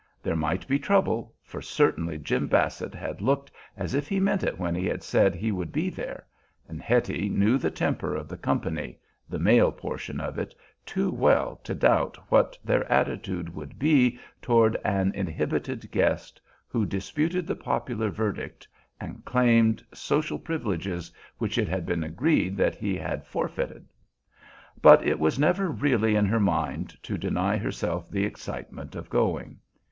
There might be trouble, for certainly Jim Basset had looked as if he meant it when he had said he would be there; and Hetty knew the temper of the company, the male portion of it, too well to doubt what their attitude would be toward an inhibited guest who disputed the popular verdict, and claimed social privileges which it had been agreed that he had forfeited. But it was never really in her mind to deny herself the excitement of going.